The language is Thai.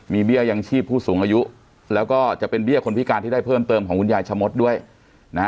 เบี้ยยังชีพผู้สูงอายุแล้วก็จะเป็นเบี้ยคนพิการที่ได้เพิ่มเติมของคุณยายชะมดด้วยนะฮะ